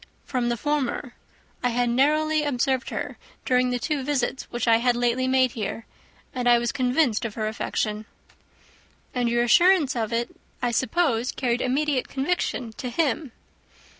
"From the former. I had narrowly observed her, during the two visits which I had lately made her here; and I was convinced of her affection." "And your assurance of it, I suppose, carried immediate conviction to him."